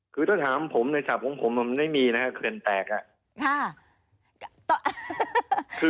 คือถ้าถามผมในศัพท์ของผมมันไม่มีนะครับเขื่อนแตกอ่ะ